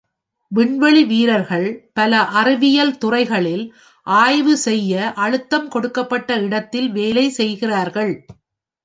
விண்வெளி வீரர்கள் பல அறிவியல் துறைகளில் ஆய்வு செய்ய அழுத்தம் கொடுக்கப்பட்ட இடத்தில் வேலை செய்கிறார்கள்.